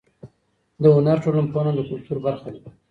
د هنر ټولنپوهنه د کلتور برخه ده.